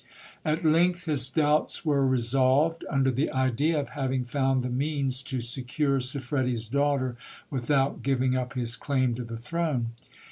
At length his doubts were resolved, under the idea of having found the means to secure Siffredi's daughter, without giving up his claim to the throne.